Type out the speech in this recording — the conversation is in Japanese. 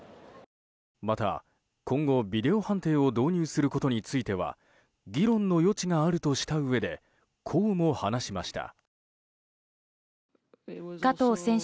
また、今後、ビデオ判定を導入することについては議論の余地があるとしたうえでこうも話しました。